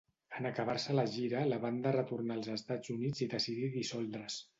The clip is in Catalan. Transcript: En acabar-se la gira la banda retornà als Estats Units i decidí dissoldre's.